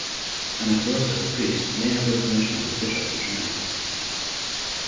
An exorcist priest must have the permission of his bishop to join.